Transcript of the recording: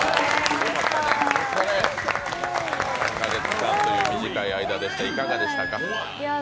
３か月間という短い間でした、いかがでした？